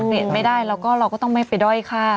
เปลี่ยนไม่ได้แล้วก็เราก็ต้องไม่ไปด้อยค่า